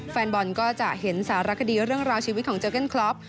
แฟนบอลก็จะเห็นสารคดีเรื่องราวชีวิตของเจอเก้นคล็อป